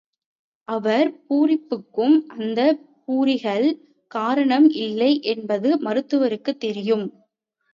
அவர் பூரிப்புக்கு அந்தப் பூரிகள் காரணம் இல்லை என்பது மருத்துவருக்குத் தெரியும்.